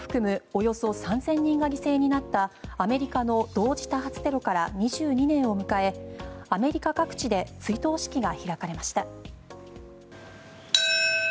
およそ３０００人が犠牲になったアメリカの同時多発テロから２２年を迎えアメリカ各地で追悼式が開かれました。